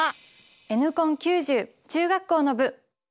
「Ｎコン９０」中学校の部。